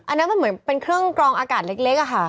อันนั้นมันเหมือนเป็นเครื่องกรองอากาศเล็กอะค่ะ